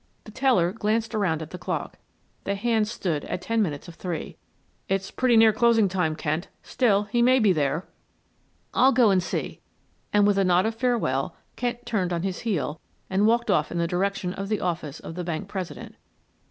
The teller glanced around at the clock; the hands stood at ten minutes of three. "It's pretty near closing time, Kent; still, he may be there." "I'll go and see," and with a nod of farewell Kent turned on his heel and walked off in the direction of the office of the bank president.